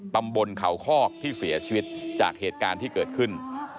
ตำบลเขาคอกที่เสียชีวิตจากเหตุการณ์ที่เกิดขึ้น